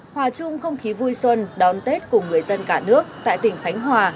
hòa chung không khí vui xuân đón tết cùng người dân cả nước tại tỉnh khánh hòa